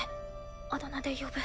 あだ名で呼ぶ。